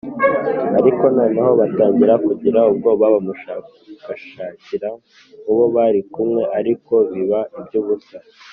Ariko noneho batangira kugira ubwoba. Bamushakashakira mu bo bari kumwe, ariko biba iby’ubusa